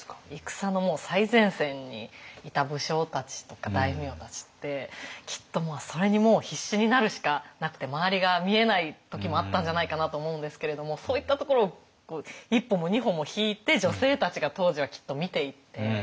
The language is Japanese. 戦のもう最前線にいた武将たちとか大名たちってきっとそれにもう必死になるしかなくて周りが見えない時もあったんじゃないかなと思うんですけれどもそういったところを１歩も２歩も引いて女性たちが当時はきっと見ていて。